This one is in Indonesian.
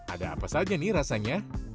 ada apa saja nih rasanya